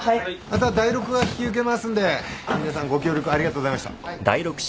あとはダイロクが引き受けますんで皆さんご協力ありがとうございました。